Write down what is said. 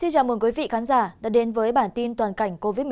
chào mừng quý vị đến với bản tin toàn cảnh covid một mươi chín